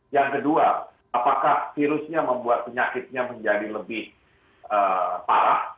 yang kedua apakah virusnya membuat penyakitnya menjadi lebih parah